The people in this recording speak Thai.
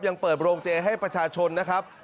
ยังเปิดโรงเจให้ประชาชนนะครับ